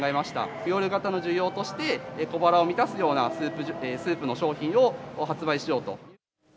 夜型の需要として、小腹を満たすようなスープの商品を発売しようと。